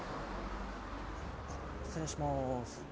失礼します。